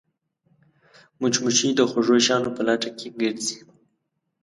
مچمچۍ د خوږو شیانو په لټه کې ګرځي